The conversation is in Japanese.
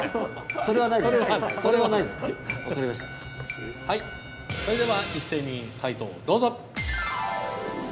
それでは一斉に解答をどうぞ。